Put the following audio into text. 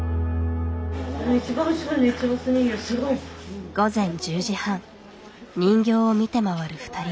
午前１０時半人形を見て回る２人連れ。